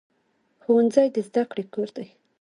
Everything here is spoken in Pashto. ښوونځی د زده کړې کور دی